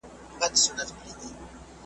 نه یې هیله د آزادو الوتلو ,